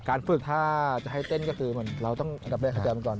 การฝึกถ้าจะให้เต้นก็คือเราต้องอันดับแรกเข้าใจมันก่อน